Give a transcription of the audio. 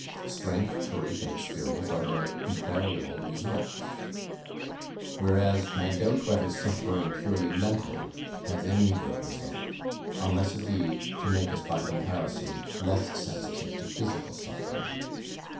Strength, courage, and experience are their invariable results; whereas, I doubt whether suffering purely mental has any good result, unless it be to make us by comparison less sensitive to physical suffering